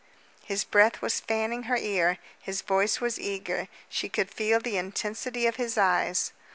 His breath was fanning her ear, his voice was eager; she could feel the intensity of his eyes.